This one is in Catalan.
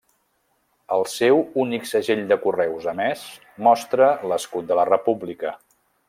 El seu únic segell de correus emès mostra l'escut de la república.